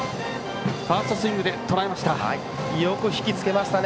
ファーストスイングでとらえました。